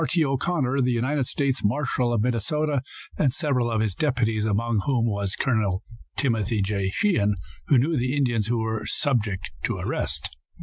T. O'Connor, the United States marshal of Minnesota, and several of his deputies, among whom was Col. Timothy J. Sheehan, who knew the Indians who were subject to arrest.